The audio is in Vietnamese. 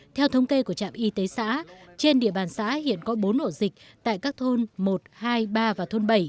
theo thống kê của trạm y tế xã trên địa bàn xã hiện có bốn ổ dịch tại các thôn một hai ba và thôn bảy